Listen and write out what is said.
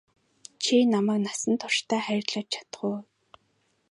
Чи намайг насан туршдаа хайрлаж чадах уу?